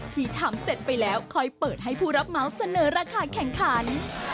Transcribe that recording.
ที่ทำเสร็จไปแล้วค่อยเปิดให้ผู้รับเมาส์เสนอราคาแข่งขัน